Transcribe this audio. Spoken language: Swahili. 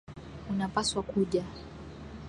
Unapaswa kuja.